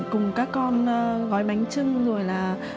cùng các con gói bánh trưng rồi là